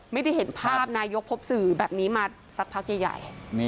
ไม่ได้เห็นภาพนายกพบสื่อแบบนี้มาสักพักใหญ่